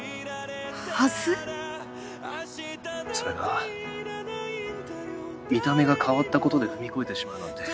それが見た目が変わったことで踏み込めてしまうなんて